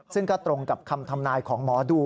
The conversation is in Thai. ซึ่งก็ตรงกับคำทำนายของหมอดู